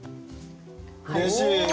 うれしい！